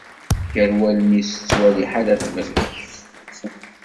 Ger wallen-is tettwali ḥala tebrek.